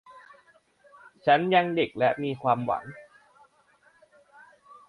ฉันยังเด็กและมีความหวัง